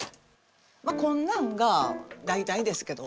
まあこんなんが大体ですけど。